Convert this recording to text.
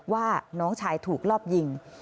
ว่าน้องชายถูกรอบยิง